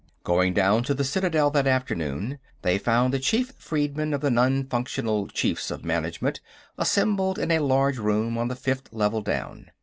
Going down to the Citadel that afternoon, they found the chief freedmen of the non functional Chiefs of Management assembled in a large room on the fifth level down.